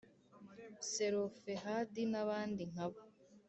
Selofehadi n abandi nka bo